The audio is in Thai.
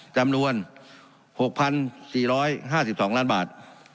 จำนวน๖๔๕๒ล้านบาท